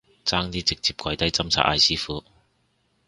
差啲直接跪低斟茶嗌師父